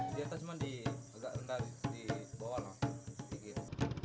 di atas cuman agak rendah di bawah lah sedikit